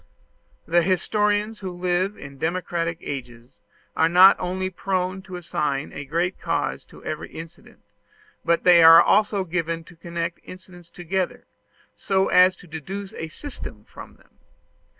The historians who live in democratic ages are not only prone to assign a great cause to every incident, but they are also given to connect incidents together, so as to deduce a system from them.